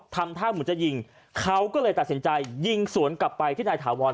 ทำท่าเหมือนจะยิงเขาก็เลยตัดสินใจยิงสวนกลับไปที่นายถาวร